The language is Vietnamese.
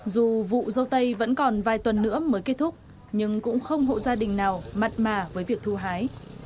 dù vụ dâu tây vẫn còn vài tuần nữa mới kết thúc nhưng cũng không hộ gia đình nào mặt mà với việc thu hái